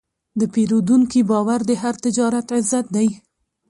د پیرودونکي باور د هر تجارت عزت دی.